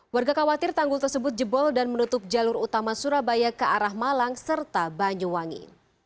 warga khawatir tanggul tersebut jebol dan menutup jalur utama surabaya ke arah malang serta banyuwangi